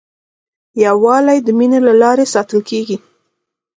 یووالی د مینې له لارې ساتل کېږي.